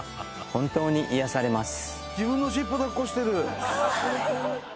本当に癒やされます